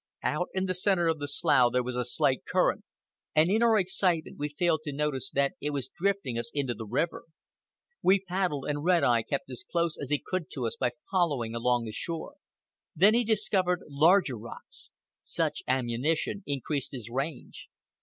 Out in the centre of the slough there was a slight current, and in our excitement we failed to notice that it was drifting us into the river. We paddled, and Red Eye kept as close as he could to us by following along the shore. Then he discovered larger rocks. Such ammunition increased his range.